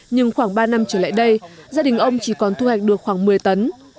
nhưng khoảng ba năm trở lại đây gia đình ông chỉ còn thu hoạch được khoảng một mươi tấn